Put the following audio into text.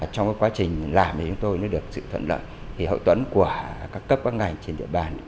trong quá trình làm thì chúng tôi đã được sự thuận lợi hội tuẫn của các cấp các ngành trên địa bàn